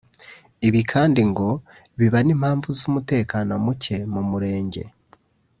Ibi kandi ngo biba n’impamvu z’umutekano muke mu murenge